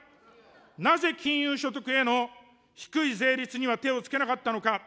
なぜ、金融所得への低い税率には手をつけなかったのか。